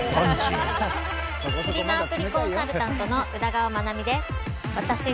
アプリコンサルタントの宇田川まなみです。